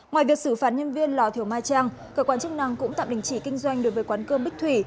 ngoài việc xử phạt nhân viên lò thiều mai trang cơ quan chức năng cũng tạm đình chỉ kinh doanh đối với quán cơm bích thủy